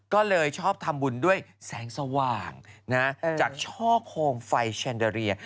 ก็เลยชอบทำบุญด้วยแสงสว่างจากช่อโคมไฟแชนเดอเรีย